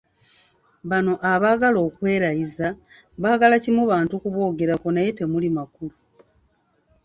Bano abaagala okwerayiza, baagala kimu bantu ku boogerako naye temuli makulu.